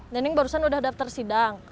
nening barusan udah daftar sidang